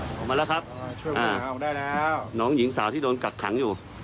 ออกมาแล้วครับน้องหญิงสาวที่โดนกัดขังอยู่